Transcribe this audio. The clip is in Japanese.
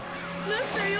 なったよ。